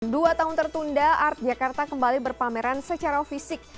dua tahun tertunda art jakarta kembali berpameran secara fisik